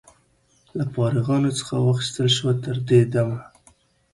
له فارغانو څخه واخیستل شوه. تر دې دمه